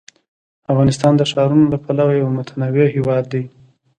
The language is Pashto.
افغانستان د ښارونو له پلوه یو متنوع هېواد دی.